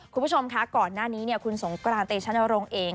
คุณผู้ชมคะก่อนหน้านี้คุณสงกรานเตชนรงค์เอง